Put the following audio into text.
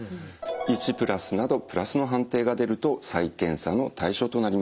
１＋など＋の判定が出ると再検査の対象となります。